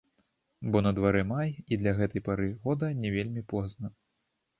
Бо на дварэ май, і для гэтай пары года не вельмі позна.